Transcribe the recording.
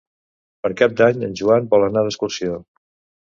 Per Cap d'Any en Joan vol anar d'excursió.